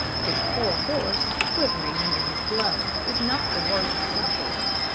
His poor horse, quivering under a blow, is not the worst sufferer.